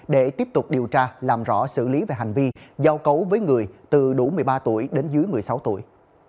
để tiếp tục điều tra làm rõ xử lý về hành vi giao cấu với người từ đủ một mươi ba tuổi đến dưới một mươi sáu tuổi